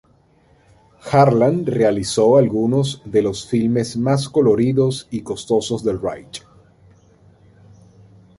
Harlan realizó algunos de los filmes más coloridos y costosos del Reich.